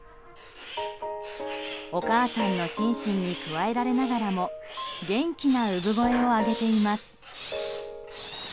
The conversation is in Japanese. お母さんのシンシンにくわえられながらも元気な産声を上げています。